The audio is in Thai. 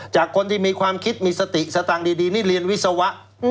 จากคนที่มีความคิดมีสติสตังค์ดีนี่เรียนวิศวะ